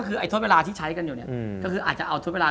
เพราะฉะนั้นทดเวลาที่ใช้อยู่ก็อาจจะเอาทดเวลา